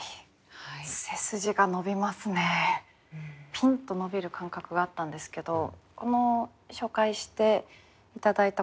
ピンと伸びる感覚があったんですけど紹介して頂いた